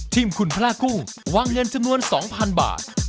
ทีมคุณพระกุ้งวางเงินจำนวน๒๐๐๐บาท